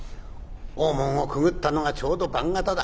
大門をくぐったのがちょうど晩方だ。